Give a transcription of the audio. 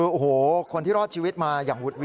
โอ้โหคนที่รอดชีวิตมาอย่างวุดวิด